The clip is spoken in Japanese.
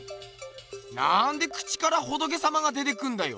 なんで口から仏様が出てくんだよ。